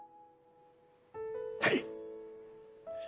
はい。